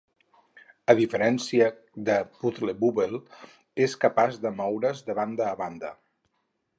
A diferència de "Puzzle Bobble", és capaç de moure's de banda a banda.